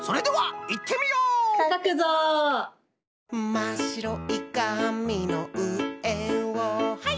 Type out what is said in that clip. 「まっしろいかみのうえをハイ！」